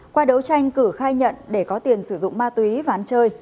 qua đấu tranh cử khai nhận để có tiền sử dụng ma túy ván chơi